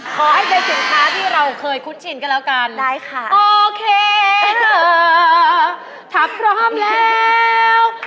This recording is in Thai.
ขอให้เป็นสินค้าที่เราเคยคุ้นชินกันแล้วกันได้ค่ะโอเคถ้าพร้อมแล้ว